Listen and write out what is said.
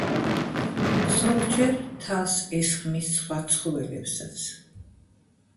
ზოგჯერ თავს ესხმის სხვა ცხოველებსაც.